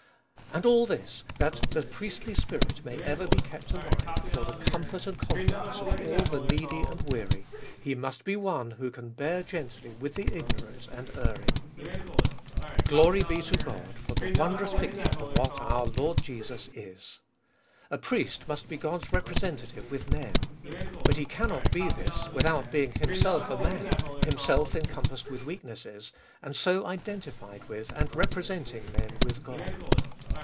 And all this, that the priestly spirit may ever be kept alive for the comfort and confidence of all the needy and weary — he must be one who can bear gently with the ignorant and erring. Glory be to God for the wondrous picture of what our Lord Jesus is. A 'priest must be God's representative with men. But he cannot be this, without being himself a man himself encompassed with weaknesses, and so identified with, and representing men with God.